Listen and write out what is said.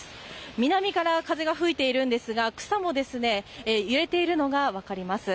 南から風が吹いているんですが、草も揺れているのが分かります。